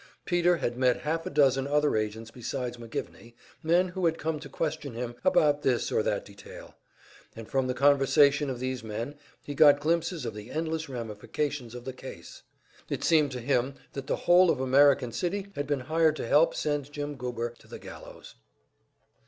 Peter had met half a dozen other agents beside McGivney, men who had come to question him about this or that detail; and from the conversation of these men he got glimpses of the endless ramifications of the case. It seemed to him that the whole of American City had been hired to help send Jim Goober to the gallows.